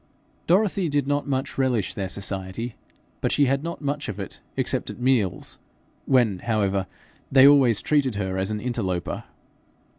Dorothy did not much relish their society, but she had not much of it except at meals, when, however, they always treated her as an interloper.